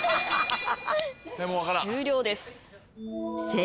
終了です。